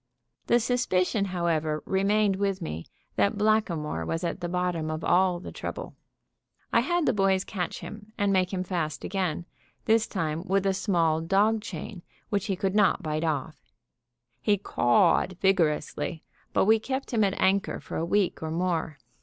The suspicion, however, remained with me that Blackamoor was at the bottom of all the trouble. I had the boys catch him and make him fast again, this time with a small dog chain, which he could not bite off. He cawed vigorously, but we kept him at anchor for a week or more.